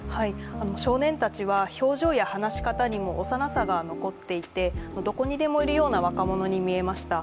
少年たちは表情や話し方にも幼さが残っていてどこにでもいるような若者に見えました。